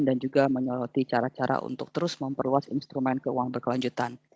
dan juga menyoroti cara cara untuk terus memperluas instrumen keuangan berkelanjutan